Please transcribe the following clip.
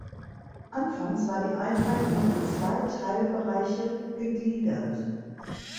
Anfangs war die Einheit noch in zwei Teilbereiche gegliedert.